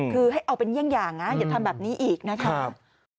คือให้เอาเป็นเยี่ยงอย่างนะอย่าทำแบบนี้อีกนะครับ